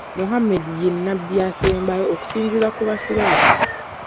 Muhammed ye nnabbi eyasembayo okusinziira ku busiraamu.